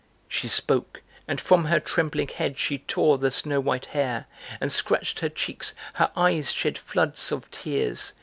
She spoke, and from her trembling head she tore the snow white hair, And scratched her cheeks: her eyes shed floods of tears.